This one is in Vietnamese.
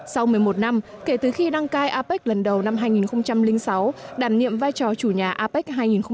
sau một mươi một năm kể từ khi đăng cai apec lần đầu năm hai nghìn sáu đảm nhiệm vai trò chủ nhà apec hai nghìn một mươi chín